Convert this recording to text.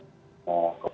salah hal yang